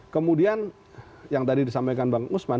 kemudian yang tadi disampaikan bang usman